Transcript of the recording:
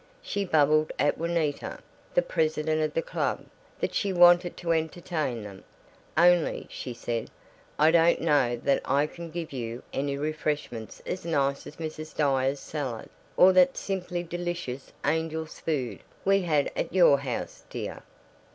She bubbled at Juanita, the president of the club, that she wanted to entertain them. "Only," she said, "I don't know that I can give you any refreshments as nice as Mrs. Dyer's salad, or that simply delicious angel's food we had at your house, dear."